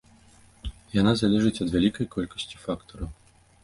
Яна залежыць ад вялікай колькасці фактараў.